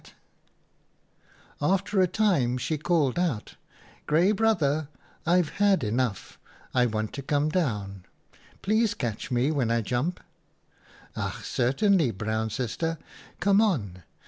WHY THE HYENA IS LAME 45 " After a time she called out, * Grey Brother, I've had enough. I want to come down. Please catch me when I jump.' "■ Ach, certainly Brown Sister, come on.